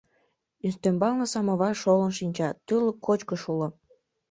Ӱстембалне самовар шолын шинча, тӱрлӧ кочкыш уло.